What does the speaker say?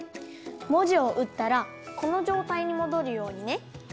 もじをうったらこのじょうたいにもどるようにね。